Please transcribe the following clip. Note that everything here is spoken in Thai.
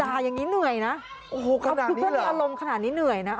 ด่าอย่างนี้เหนื่อยนะอารมณ์ขนาดนี้เหนื่อยนะ